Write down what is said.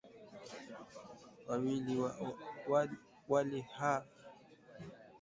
waliwahi kuwasilishwa wakati wa kikao cha maafisa wa ujasusi kati ya Jamuhuri ya Demokrasia ya Kongo na